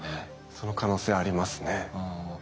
その可能性ありますね。